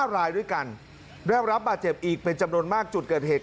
๕รายด้วยกันได้รับบาดเจ็บอีกเป็นจำนวนมากจุดเกิดเหตุ